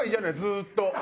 ずっと。